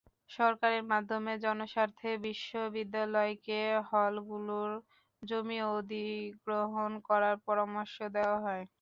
সরকারের মাধ্যমে জনস্বার্থে বিশ্ববিদ্যালয়কে হলগুলোর জমি অধিগ্রহণ করার পরামর্শ দেওয়া হয়।